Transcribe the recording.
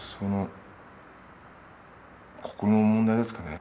心の問題ですかね。